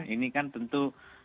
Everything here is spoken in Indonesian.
ini kan tentu